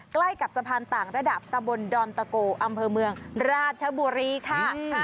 ใกล้กับสะพานต่างระดับตะบนดอนตะโกอำเภอเมืองราชบุรีค่ะ